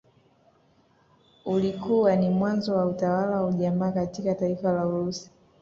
Ulikuwa ni mwanzo wa utawala wa ujamaa katika taifa la Urusi